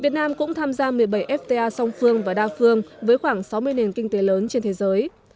việt nam cũng tham gia một mươi bảy fta song phương và đa phương với khoảng sáu mươi nền kinh tế lớn trên thế giới